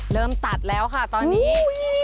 เริ่มตัดแล้วค่ะตอนนี้